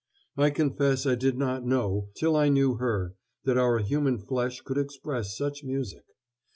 I confess I did not know, till I knew her, that our human flesh could express such music.